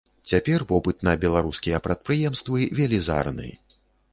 Цяпер попыт на беларускія прадпрыемствы велізарны.